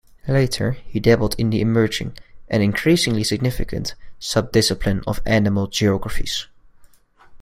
Later, he dabbled in the emerging, and increasingly significant, sub-discipline of animal geographies.